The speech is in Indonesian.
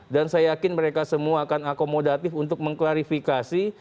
dan saya yakin mereka semua akan akomodatif untuk mengklarifikasi